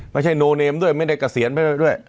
ไม่ใช่โนเนมด้วยไม่ได้เกษียณไปด้วย